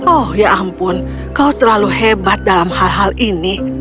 oh ya ampun kau selalu hebat dalam hal hal ini